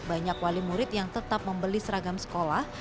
banyak wali murid yang tetap membeli seragam sekolah